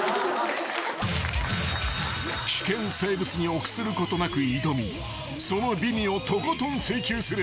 ［危険生物に臆することなく挑みその美味をとことん追求する］